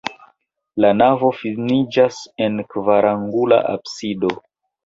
La navo finiĝas en kvarangula absido.